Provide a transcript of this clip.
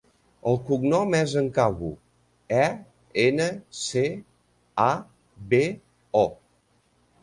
El cognom és Encabo: e, ena, ce, a, be, o.